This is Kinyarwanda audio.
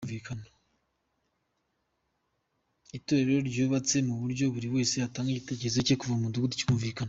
Itorero ryubatse mu buryo buri wese yatanga igitekerezo cye kuva ku mudugudu kikumvikana.